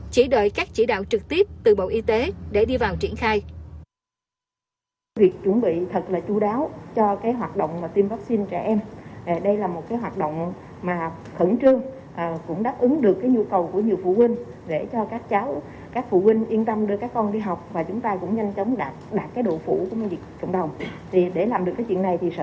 chỉ đợi các chỉ đạo trực tiếp từ bộ y tế để đi vào triển khai